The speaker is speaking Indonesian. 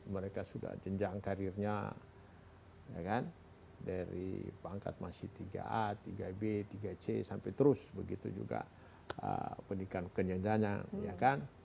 mereka sudah jenjang karirnya dari pangkat masih tiga a tiga b tiga c sampai terus begitu juga pendidikan kenyajanya ya kan